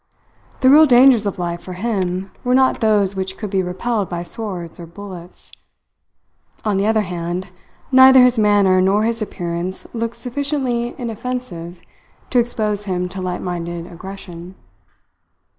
The real dangers of life, for him, were not those which could be repelled by swords or bullets. On the other hand neither his manner nor his appearance looked sufficiently inoffensive to expose him to light minded aggression.